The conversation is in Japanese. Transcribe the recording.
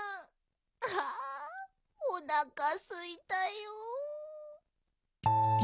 ああおなかすいたよ。